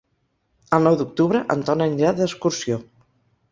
El nou d'octubre en Ton anirà d'excursió.